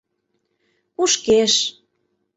Кушкеш.